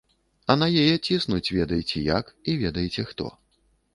А на яе ціснуць ведаеце як і ведаеце хто.